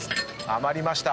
余りました。